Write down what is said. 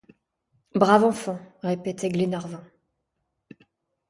Brave enfant! répétait Glenarvan.